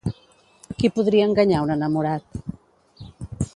Qui podria enganyar un enamorat?